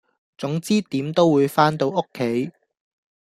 總之點都會番到屋企